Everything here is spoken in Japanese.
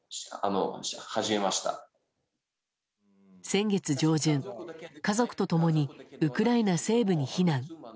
先月上旬、家族と共にウクライナ西部に避難。